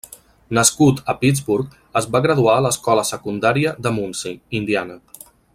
Nascut a Pittsburgh, es va graduar de l'escola secundària de Muncie, Indiana.